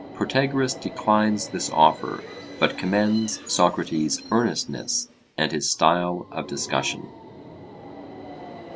Protagoras declines this offer, but commends Socrates' earnestness and his style of discussion.